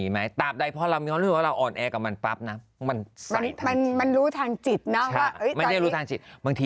ไหนเลยนี่ไง